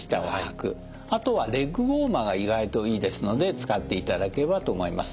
あとはレッグウオーマーが意外といいですので使っていただければと思います。